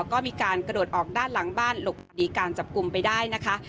ก็มีการกระโดดออกด้านหลังบ้านหลบหนีการจับกลุ่มไปได้นะคะ